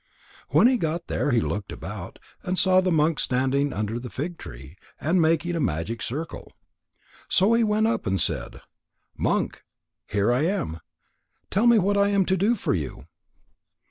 When he got there, he looked about, and saw the monk standing under the fig tree and making a magic circle. So he went up and said: "Monk, here I am. Tell me what I am to do for you."